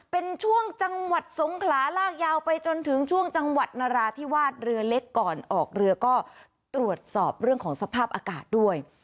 เป็นช่วงจังหวัดสงขลาลากยาวไปจนถึงช่วงจังหวัดนราธิวาสเรือเล็กก่อนออกเรือก็ตรวจสอบเรื่องของสภาพอากาศด้วย